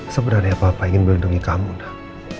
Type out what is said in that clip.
sebenarnya papa ingin melindungi kamu nak